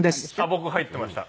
僕入ってました。